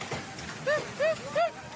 えっえっえっ。